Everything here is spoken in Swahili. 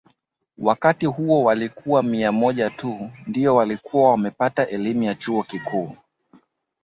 Wakati huo walikuwa mia moja tu ndio walikuwa wamepata elimu ya chuo kikuu